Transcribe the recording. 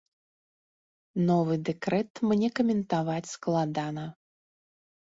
Новы дэкрэт мне каментаваць складана.